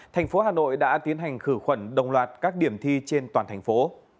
thành phố hà nội đã tiến hành khử khuẩn đồng loạt các điểm thi trên toàn thành phố